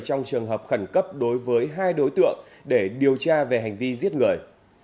trong trường hợp khẩn cấp đối với hai đối tượng để điều tra về hành vi giết người